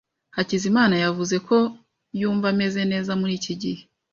Hakizimana yavuze ko yumva ameze neza muri iki gihe.